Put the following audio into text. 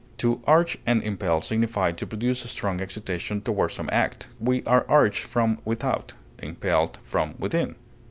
To urge and impel signify to produce strong excitation toward some act. We are urged from without, impelled from within.